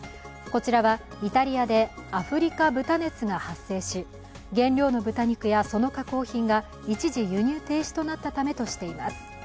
こちらはイタリアでアフリカ豚熱が発生し、原料の豚肉やその加工品が一時輸入停止となったためとしています。